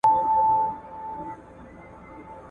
خدایه بیا هغه محشر دی اختر بیا په وینو سور دی `